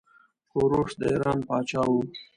کوروش د ايران پاچا وه.